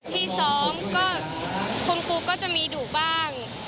ที่ซ้อมก็คุณครูก็จะมีดุบ้าง